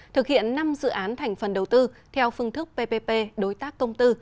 thực hiện năm dự án thành phần đầu tư theo phương thức ppp đối tác công tư